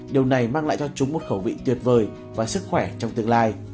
điều này mang lại cho chúng một khẩu vị tuyệt vời và sức khỏe trong tương lai